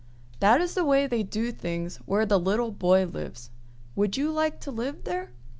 That is the way they do things where the little boy lives. Would you like to live there?